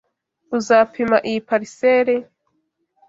Uzapima iyi parcelle?